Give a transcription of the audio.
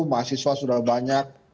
mahasiswa sudah banyak